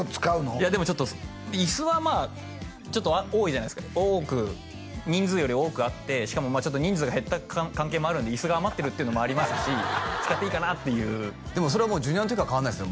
いやでもちょっとイスはまあちょっと多いじゃないですか多く人数より多くあってしかもちょっと人数が減った関係もあるんでイスが余ってるっていうのもありますし使っていいかなっていうでもそれはもうジュニアん時から変わんないですよ